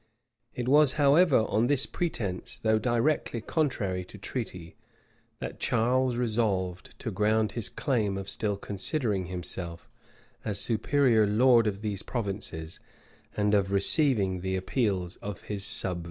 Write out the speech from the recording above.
It was, however, on this pretence, though directly contrary to treaty, that Charles resolved to ground his claim of still considering himself as superior lord of those provinces, and of receiving the appeals of his sub vassals.